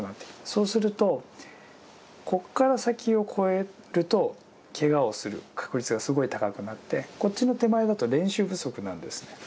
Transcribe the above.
そうするとこっから先を越えるとけがをする確率がすごい高くなってこっちの手前だと練習不足なんですね。